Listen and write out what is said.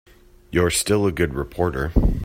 You're still a good reporter.